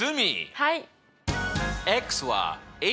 はい。